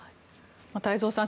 太蔵さん